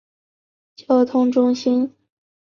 交通中心。